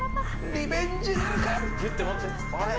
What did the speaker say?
リベンジなるか。